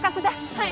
はい！